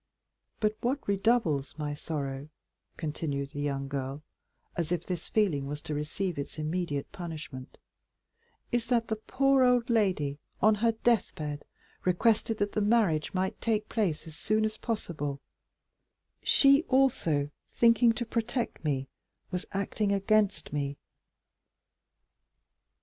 "But what redoubles my sorrow," continued the young girl, as if this feeling was to receive its immediate punishment, "is that the poor old lady, on her death bed, requested that the marriage might take place as soon as possible; she also, thinking to protect me, was acting against me."